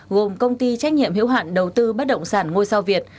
gồm công ty trách nhiệm hữu hạn đầu tư bất động sản ngôi sao việt